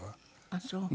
ああそう。